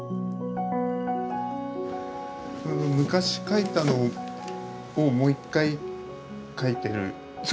昔描いたのをもう一回描いてるやつですか？